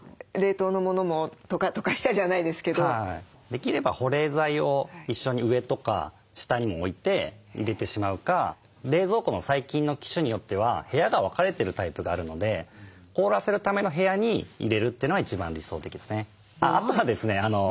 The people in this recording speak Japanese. できれば保冷剤を一緒に上とか下にも置いて入れてしまうか冷蔵庫の最近の機種によっては部屋が分かれてるタイプがあるので凍らせるための部屋に入れるというのが一番理想的ですね。